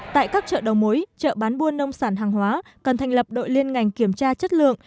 tại các chợ đầu mối chợ bán buôn nông sản hàng hóa cần thành lập đội liên ngành kiểm tra chất lượng